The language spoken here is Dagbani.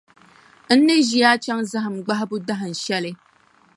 N ni ʒi a chaŋ zahim gbahibu dahinshɛli.